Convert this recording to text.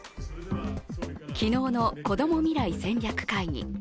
昨日のこども未来戦略会議。